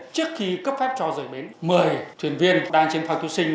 trước khi cấp phép cho rời bến mời thuyền viên đang trên phao cứu sinh